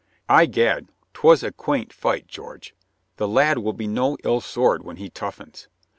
"I'gad, 'twas a quaint fight, George. The Lad will be no ill sword when he toughens.